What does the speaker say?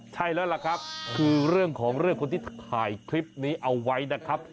ใช่แล้วล่ะครับคือเรื่องของเรื่องคนที่ถ่ายคลิปนี้เอาไว้นะครับ